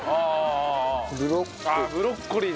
ブロッコリー。